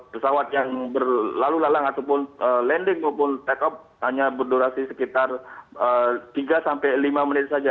pesawat yang berlalu lalang ataupun landing maupun take off hanya berdurasi sekitar tiga sampai lima menit saja